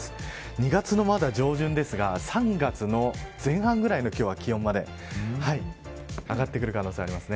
２月のまだ上旬ですが３月の前半ぐらいの今日は気温まで上がってくる可能性があります。